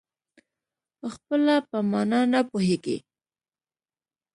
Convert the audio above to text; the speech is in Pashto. خپله په مانا نه پوهېږي.